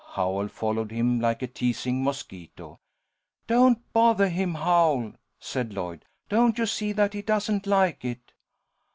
Howell followed him like a teasing mosquito. "Don't bothah him, Howl," said Lloyd. "Don't you see that he doesn't like it?"